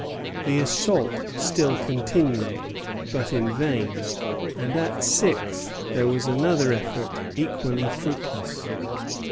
The assault still continued, but in vain; and at six there was another effort, equally fruitless.